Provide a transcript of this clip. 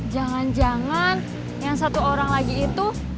jangan jangan yang satu orang lagi itu